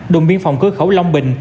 đồng biên phòng cư khẩu long bình